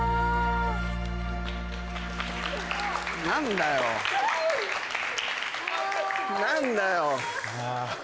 何だよ・